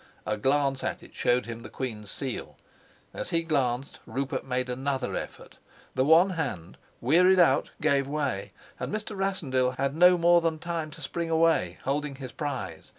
A glance at it showed him the queen's seal. As he glanced Rupert made another effort. The one hand, wearied out, gave way, and Mr. Rassendyll had no more than time to spring away, holding his prize.